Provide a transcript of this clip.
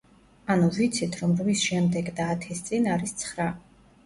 ანუ, ვიცით, რომ რვის შემდეგ და ათის წინ არის ცხრა.